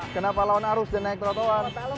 kenapa lawan arus dan naik trotoar